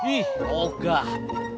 ih oh gah